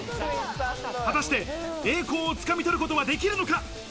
果たして、栄光を掴み取ることはできるのか？